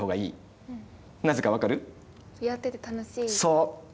そう！